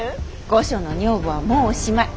御所の女房はもうおしまい。